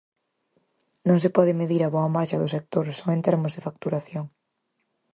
Non se pode medir a boa marcha do sector só en termos de facturación.